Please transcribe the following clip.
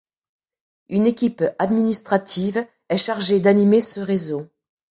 Une équipe administrative est chargée d’animer ce réseau.